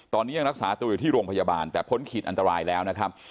ตอนนี้ยังรักษาตัวอยู่ที่โรงพยาบาลแต่พ้นขีดอันตรายแล้วนะครับ